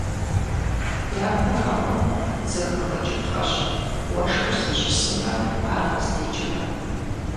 Япэрауэ, зэхэгъэкӀыпхъэщ уэшхыр зищӀысымрэ ар къыздикӀымрэ.